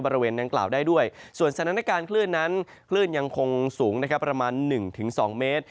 ประมาณ๑๒เมตร